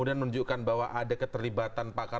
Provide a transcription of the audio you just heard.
dan memang benar